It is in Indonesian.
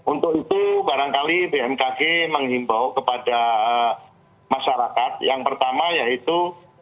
untuk itu barangkali bmkg menghimbau kepada masyarakat yang pertama yaitu